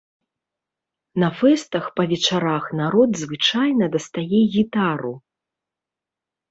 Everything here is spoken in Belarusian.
На фэстах па вечарах народ звычайна дастае гітару.